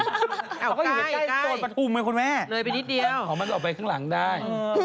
โอ้ใกล้ก็อยู่ใกล้โทษมะทุมเลยคุณแม่เขาออกไปข้างหลังได้